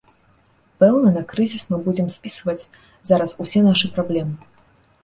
Пэўна, на крызіс мы будзем спісваць зараз усе нашы праблемы.